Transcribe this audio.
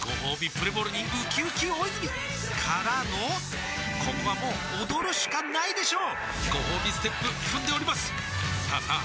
プレモルにうきうき大泉からのここはもう踊るしかないでしょうごほうびステップ踏んでおりますさあさあ